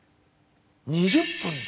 ２０分で。